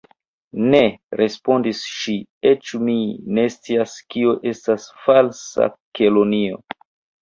"Ne," respondis ŝi, "eĉ mi ne scias kio estas Falsa Kelonio."